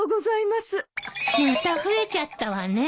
また増えちゃったわね。